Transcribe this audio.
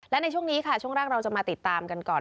และในช่วงนี้ค่ะช่วงแรกเราจะมาติดตามกันก่อน